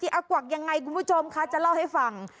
อากวักยังไงคุณผู้ชมคะจะเล่าให้ฟัง